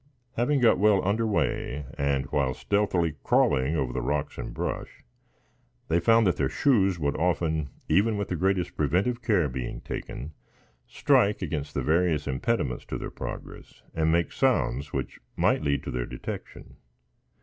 Having got well under way, and while stealthily crawling over the rocks and brush, they found their shoes would often, even with the greatest preventive care being taken, strike against the various impediments to their progress and make sounds which might lead to their detection.